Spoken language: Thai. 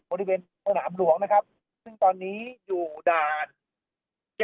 กินดอนเมืองในช่วงเวลาประมาณ๑๐นาฬิกานะครับ